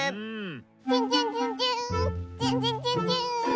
チュンチュンチュンチューンチュンチュンチュンチューン。